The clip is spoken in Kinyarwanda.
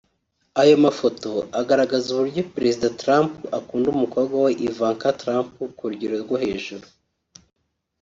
Aya mafoto agaragaza uburyo Perezida Trump akunda umukobwa we Ivanka Trump ku rugero rwo hejuru